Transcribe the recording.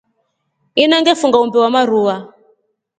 Ina ngefunga umbe wa marua.